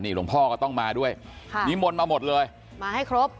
หลวงพ่อก็ต้องมาด้วยค่ะนิมนต์มาหมดเลยมาให้ครบ